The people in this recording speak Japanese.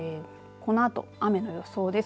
このあと雨の予想です。